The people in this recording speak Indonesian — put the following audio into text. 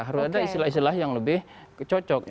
harus ada istilah istilah yang lebih cocok